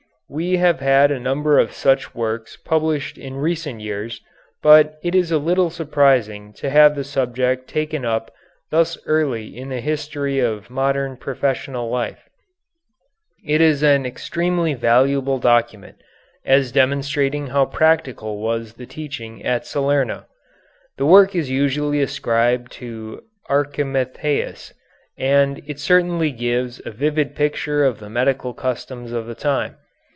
We have had a number of such works published in recent years, but it is a little surprising to have the subject taken up thus early in the history of modern professional life. It is an extremely valuable document, as demonstrating how practical was the teaching at Salerno. The work is usually ascribed to Archimattheas, and it certainly gives a vivid picture of the medical customs of the time.